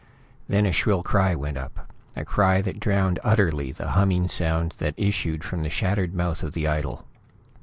Then a shrill cry went up; a cry that drowned utterly the humming sound that issued from the shattered mouth of the idol.